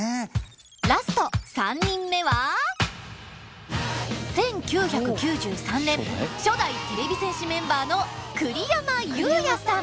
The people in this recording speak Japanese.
ラスト３人目は１９９３年初代てれび戦士メンバーの栗山祐哉さん。